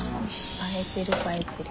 映えてる映えてる。